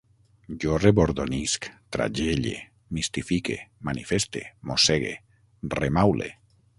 Jo rebordonisc, tragelle, mistifique, manifeste, mossegue, remaule